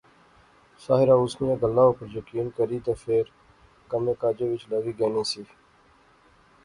ساحرہ اس نیاں گلاہ اُپر یقین کری تے فیر کمے کاجے وچ لاغی گینی سی